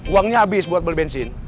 uangnya habis buat beli bensin